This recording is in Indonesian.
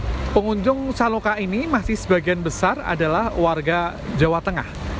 nah pengunjung saloka ini masih sebagian besar adalah warga jawa tengah